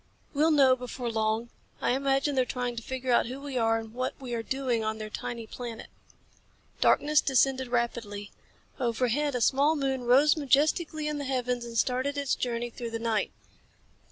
"We'll know before long. I imagine they're trying to figure out who we are and what we are doing on their tiny planet." Darkness descended rapidly. Overhead, a small moon rose majestically in the heavens and started its journey through the night.